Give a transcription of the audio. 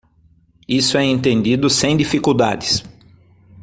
Isso é entendido sem dificuldades.